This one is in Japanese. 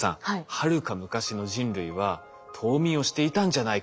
はるか昔の人類は冬眠をしていたんじゃないか。